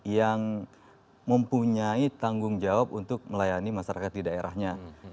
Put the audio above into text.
yang mempunyai tanggung jawab untuk melayani masyarakat di daerahnya